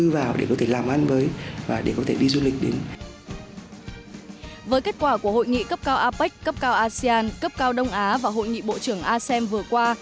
với kết quả của hội nghị cấp cao apec cấp cao asean cấp cao đông á và hội nghị bộ trưởng asem vừa qua